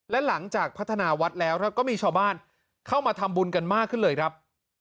และหลังจากพัฒนาวัดแล้วก็มีชาวบ้านเข้ามาทำบุญกันมากขึ้นเลยครับ